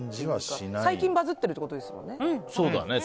最近バズってるってことですもんね。